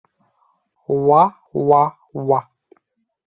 Уа-уа-уа!